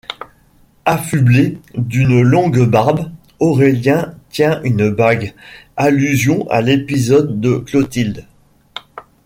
Affublé d'une longue barbe, Aurélien tient une bague, allusion à l'épisode de Clotilde.